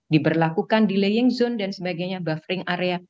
diberlakukan di laying zone dan sebagainya buffering area